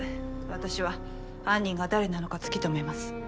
私は犯人が誰なのか突き止めます。